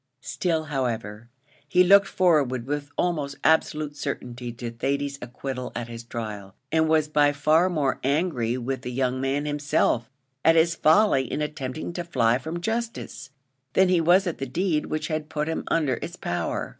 Still, however, he looked forward with almost absolute certainty to Thady's acquittal at his trial, and was by far more angry with the young man himself, at his folly in attempting to fly from justice, than he was at the deed which had put him under its power.